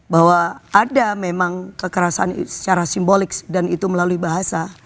bahwa ada memang kekerasan secara simbolik dan itu melalui bahasa